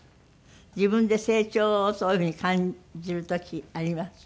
自分で成長をそういう風に感じる時あります？